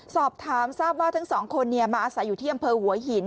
สอบถามทราบว่าทั้งสองคนมาอาศัยอยู่ที่อำเภอหัวหิน